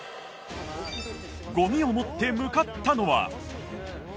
ゴミを持って向かったのは